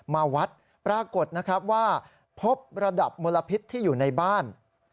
มาวัดปรากฏนะครับว่าพบระดับมลพิษที่อยู่ในบ้าน